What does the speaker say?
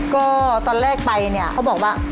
ก็ตอนแรกไปเนี่ยเขาบอกว่า